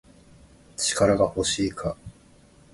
力が欲しいか